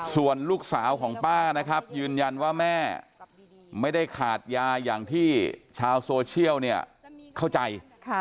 ส่วนลูกสาวของป้านะครับยืนยันว่าแม่ไม่ได้ขาดยาอย่างที่ชาวโซเชียลเนี่ยเข้าใจ